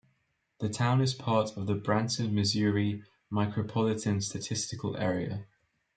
The town is part of the Branson, Missouri Micropolitan Statistical Area.